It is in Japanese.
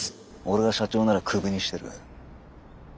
俺が社長ならクビにしてる。